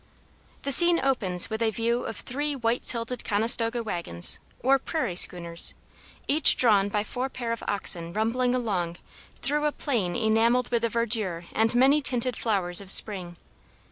The scene opens with a view of three white tilted Conestoga wagons or "prairie schooners," each drawn by four pair of oxen rumbling along through a plain enameled with the verdure and many tinted flowers of spring.